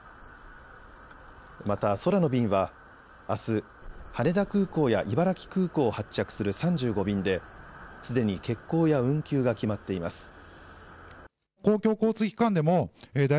また空の便はあす羽田空港や茨城空港を発着する３５便ですでに欠航や運休が決まっています。